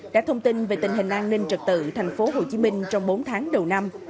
đã thông tin về tình hình an ninh trật tự tp hcm trong bốn tháng đầu năm